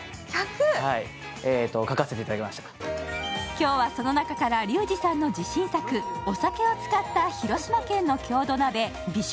今日はその中からリュウジさんの自信作、お酒を使った広島県の郷土鍋美酒